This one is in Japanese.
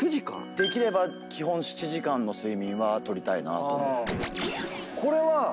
できれば基本７時間の睡眠は取りたいなと思っています。